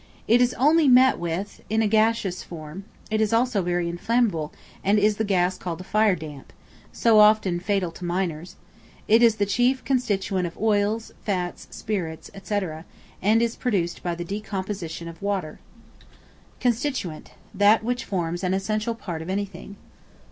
It is only met with in a gaseous form; it is also very inflammable, and is the gas called the fire damp, so often fatal to miners; it is the chief constituent of oils, fats, spirits, &c. and is produced by the decomposition of water. Constituent, that which forms an essential part of anything.